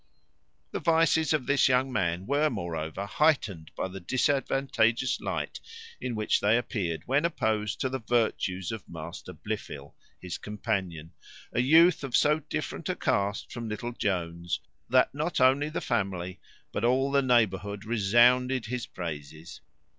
The vices of this young man were, moreover, heightened by the disadvantageous light in which they appeared when opposed to the virtues of Master Blifil, his companion; a youth of so different a cast from little Jones, that not only the family but all the neighbourhood resounded his praises.